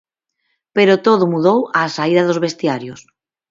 Pero todo mudou á saída dos vestiarios.